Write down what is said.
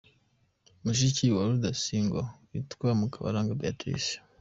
Mushiki wa Rudasingwa witwa Mukabaranga Beatrice